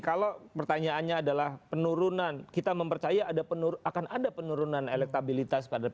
kalau pertanyaannya adalah penurunan kita mempercaya akan ada penurunan elektabilitas pada p tiga